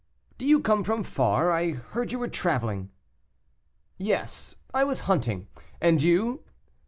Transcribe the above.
"Do you come from far? I heard you were traveling." "Yes, I was hunting. And you?"